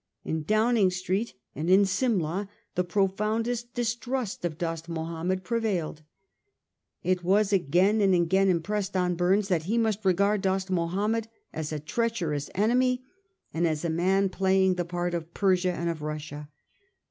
In Downing Street and in Simla the profoundest distrust of Dost Mahomed prevailed. It was again and again impressed on Bumes that he must regard Dost Mahomed as a treacherous enemy and as a man playing the part of Persia and of Russia.